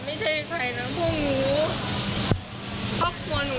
ไม่ใช่ใครนั้นพวกนู้พ่อควรนู้คือข่าวมันออกเขารู้อยู่